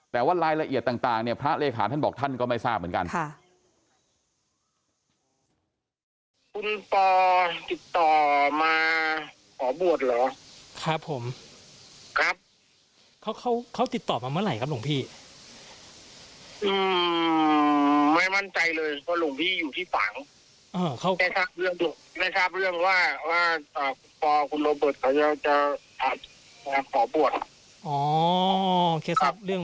แต่ว่ารายละเอียดต่างเนี่ยพระเลขาท่านบอกท่านก็ไม่ทราบเหมือนกัน